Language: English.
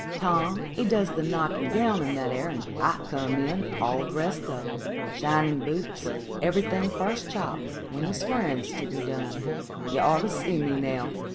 Tom, he does the knockin' down, and that ar; and I come in all dressed up,—shining boots,—everything first chop,—when the swearin' 's to be done. You oughter see me, now!"